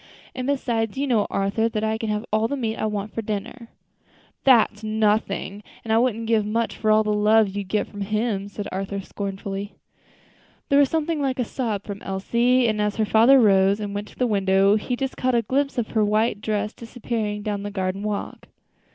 And besides, you know, Arthur, that I can have all the meat I want at dinner." "Pooh! that's nothing; and I wouldn't give much for all the love you get from him," said Arthur, scornfully. There was something like a sob from Elsie; and as her father rose and went to the window, he just caught a glimpse of her white dress disappearing down the garden walk.